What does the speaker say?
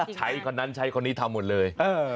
คนนั้นใช้คนนี้ทำหมดเลย